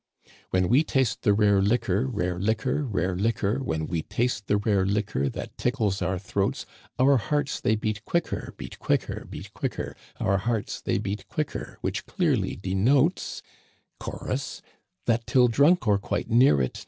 •* "When we taste the rare liquor, Rare liquor, rare liquor ; "When we taste the rare liquor That tickles our throats, Our hearts they beat quicker, Beat quicker, beat quicker ; Our hearts they beat quicker, "Which clearly denotes Chorus, That till drunk, or quite near it.